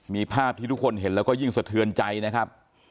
มีภาพที่ทุกคนเห็นแล้วก็ยิ่งสะเทือนใจนะครับ